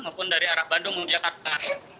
maupun dari arah bandung menuju jakarta